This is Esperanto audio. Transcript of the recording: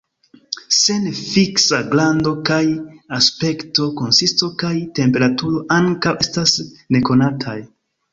Sen fiksa grando kaj aspekto, konsisto kaj temperaturo ankaŭ estas nekonataj.